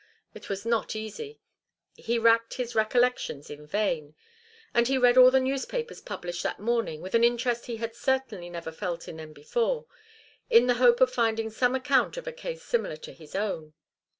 It was not easy. He racked his recollections in vain, and he read all the newspapers published that morning with an interest he had certainly never felt in them before, in the hope of finding some account of a case similar to his own.